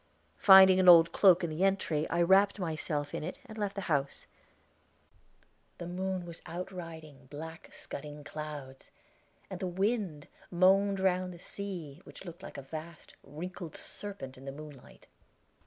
Finding an old cloak in the entry, I wrapped myself in it and left the house. The moon was out riding black, scudding clouds, and the wind moaned round the sea, which looked like a vast, wrinkled serpent in the moonlight.